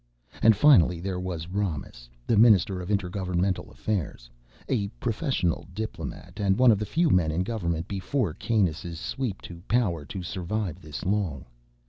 And finally there was Romis, the Minister of Intergovernmental Affairs. A professional diplomat, and one of the few men in government before Kanus' sweep to power to survive this long.